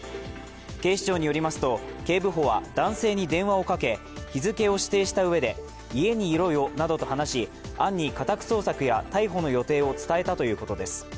警視庁によりますと、警部補は男性に電話をかけ、日付を指定したうえで家にいろよなどと話し暗に家宅捜索や逮捕の予定を伝えたということです。